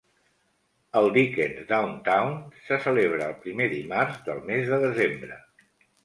El "Dickens Downtown" se celebra el primer dimarts del mes de desembre.